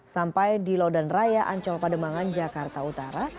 sampai di laudan raya ancol pada mangan jakarta utara